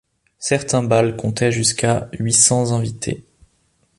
Certains bals comptaient jusqu'à huit cents invités.